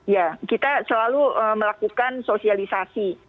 ya kita selalu melakukan sosialisasi